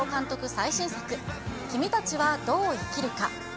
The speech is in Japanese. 最新作、君たちはどう生きるか。